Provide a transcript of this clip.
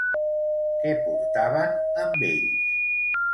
Què portaven amb ells?